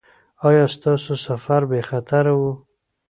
ایا ستاسو سفر بې خطره و؟